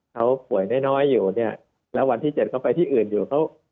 เขาป่วยน้อยอยู่เนี่ยแล้ววันที่เจ็ดเขาไปที่อื่นอยู่เขา